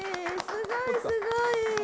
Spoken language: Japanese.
すごいすごい。